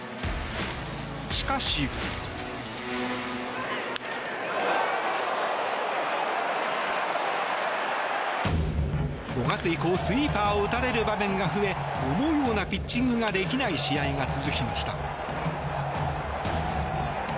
しかし。５月以降スイーパーを打たれる場面が増え思うようなピッチングができない試合が続きました。